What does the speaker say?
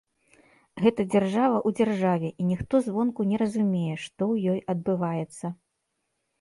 Гэта дзяржава ў дзяржаве, і ніхто звонку не разумее, што ў ёй адбываецца.